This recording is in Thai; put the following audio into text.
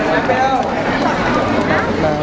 โอเคค่ะ